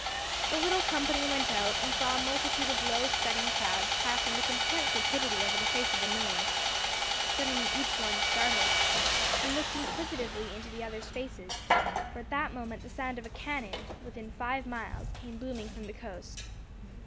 The little company went out, and saw a multitude of low scudding clouds passing with intense rapidity over the face of the moon. Suddenly each one started, and looked inquisitively into the others' faces, for at that moment the sound of a cannon, within five miles, came booming from the coast.